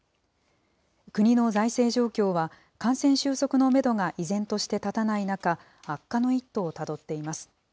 国の財政状況は、感染収束のメドが依然として立たない中、悪化の一途をたどっています。